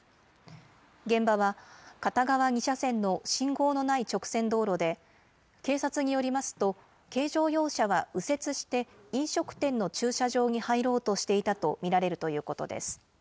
現場は、片側２車線の信号のない直線道路で、警察によりますと、軽乗用車は、右折して飲食店の駐車場に入ろうとしていたと見られるということです。